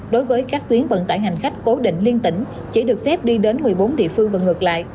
đối với các tuyến vận tải hành khách cố định liên tỉnh chỉ được phép đi đến một mươi bốn địa phương và ngược lại